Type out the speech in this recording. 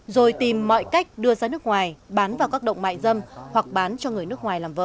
rồi tìm mọi cách đưa ra nước ngoài bán vào khu vực